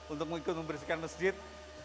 untuk ikut membersihkan masjid